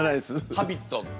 「Ｈａｂｉｔ」って。